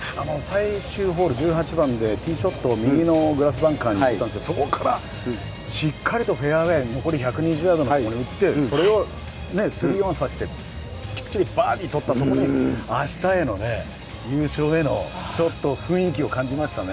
最終ホール、１８番でティーショットを右のグラスバンカーに行ったんですけど、そこからしっかりとフェアウェイ、残り１２０ヤードのところに打って、それをスリーオンさせて、きっちりバーディー取ったところに、あしたへの優勝への雰囲気を感じましたね。